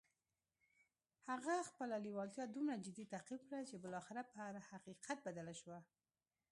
هغه خپله لېوالتیا دومره جدي تعقيب کړه چې بالاخره پر حقيقت بدله شوه.